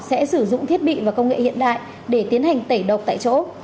sẽ sử dụng thiết bị và công nghệ hiện đại để tiến hành tẩy độc tại chỗ